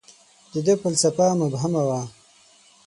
• د ده فلسفه مبهمه وه.